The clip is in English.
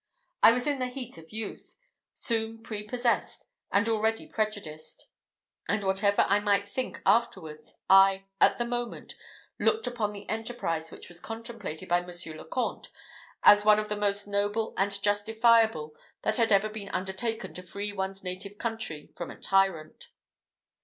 I was in the heat of youth, soon prepossessed, and already prejudiced; and whatever I might think afterwards, I, at the moment, looked upon the enterprise which was contemplated by Monsieur le Comte as one of the most noble and justifiable that had ever been undertaken to free one's native country from a tyrant.